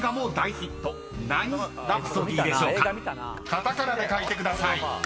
［カタカナで書いてください］